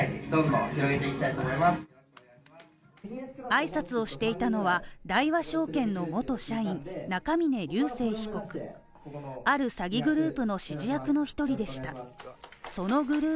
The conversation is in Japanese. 挨拶をしていたのは大和証券の元社員、中峯竜晟被告、ある詐欺グループの指示役の１人でした。